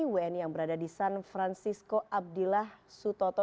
wni yang berada di san francisco abdillah sutoto